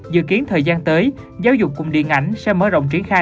dự kiến thời gian tới giáo dục cùng điện ảnh sẽ mở rộng triển khai